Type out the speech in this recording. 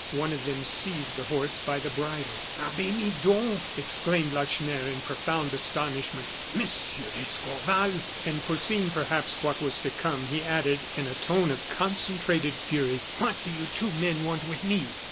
One of them seized the horse by the bridle. "Abbe Midon!" exclaimed Lacheneur, in profound astonishment; "Monsieur d'Escorval!" And foreseeing, perhaps, what was to come, he added, in a tone of concentrated fury: "What do you two men want with me?"